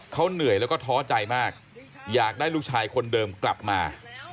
เขาเหนื่อยแล้วก็ท้อใจมากอยากได้ลูกชายคนเดิมกลับมา